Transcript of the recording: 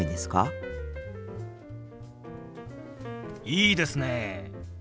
いいですね！